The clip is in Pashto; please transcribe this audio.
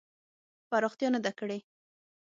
پراختیا نه ده کړې.